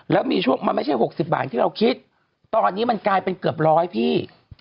แล้วมีช่วงมันไม่ใช่๖๐บาทที่เราคิดตอนนี้มันกลายเป็นเกือบร้อยพี่